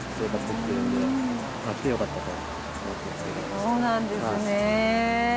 そうなんですね。